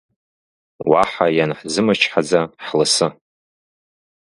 Уаҳа ианҳзымчҳаӡа, ҳласы.